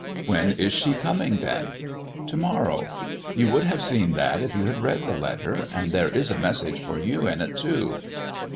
"When is she coming, then?" "To morrow. You would have seen that if you had read the letter. And there is a message for you in it, too."